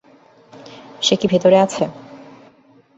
সে কি ভেতরে আছে?